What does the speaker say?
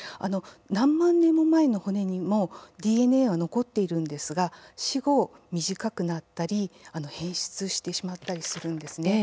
何万年も前の骨にもＤＮＡは残っているのですが死後、短くなったり変質してしまったりするんですね。